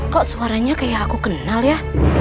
kok suaranya kayak aku kenal ya